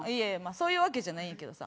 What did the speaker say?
そういうわけじゃないんやけどさ。